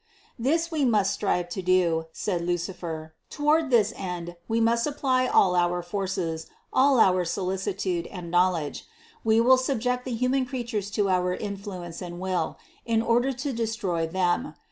123. "This we must strive to do," said Lucifer, "to ward this end we must apply all our forces, all our so licitude and knowledge. We will subject the human creatures to our influence and will, in order to destroy them.